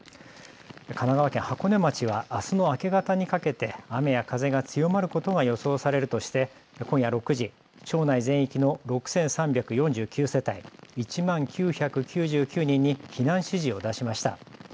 神奈川県箱根町はあすの明け方にかけて雨や風が強まることが予想されるとして、今夜６時町内全域の６３４９世帯１万９９９人に避難指示を出しました。